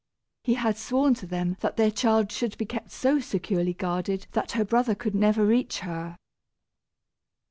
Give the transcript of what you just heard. He had sworn to them that their child should be kept so securely guarded that her brother could never reach her.